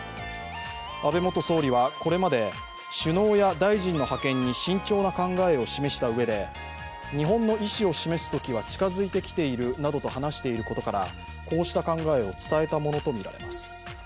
安倍元総理はこれまで首脳や大臣の派遣に慎重な考えを示したうえで日本の意思を示すときは近づいてきているなどと話していることからこうした考えを伝えたものとみられます。